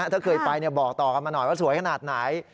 ถ้าเคยไปบอกต่อกันมาหน่อยว่าสวยขนาดไหน